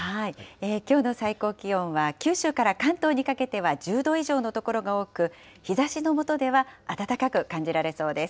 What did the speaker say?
きょうの最高気温は九州から関東にかけては１０度以上の所が多く、日ざしのもとでは暖かく感じられそうです。